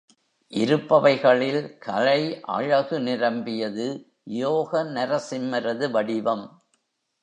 இருப்பவைகளில் கலை அழகு நிரம்பியது யோக நரசிம்மரது வடிவம்.